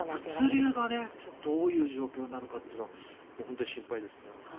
物流がどういう状況になるかは本当に心配ですね。